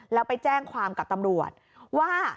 แล้วไปแจ้งความกับตำรวจว่า